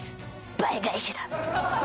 倍返しだ！